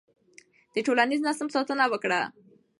د ټولنیز نظم ساتنه وکړه.